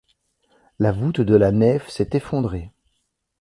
La voûte de la nef s'est effondrée.